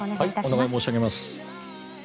お願い申し上げます。